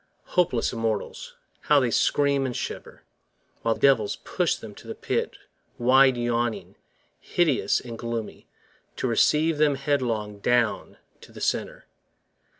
Hopeless immortals! how they scream and shiver, 25 While devils push them to the pit wide yawning Hideous and gloomy, to receive them headlong Down to the centre!